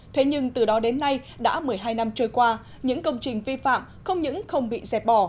thế nhưng từ đó đến nay đã một mươi hai năm trôi qua những công trình vi phạm không những không bị dẹp bỏ